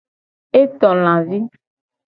E to lavi.